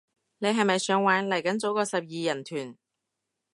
你係咪想玩，嚟緊組個十二人團